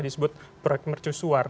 disebut proyek mercu suar